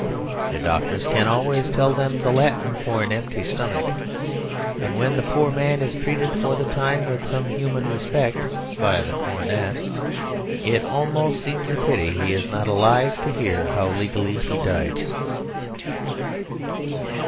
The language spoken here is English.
The doctors can always tell them the Latin for an empty stomach; and when the poor man is treated for the time with some human respect (by the Coronet) it almost seems a pity he is not alive to hear how legally he died.